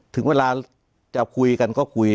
ถึงเวลาจะคุยกันก็คุย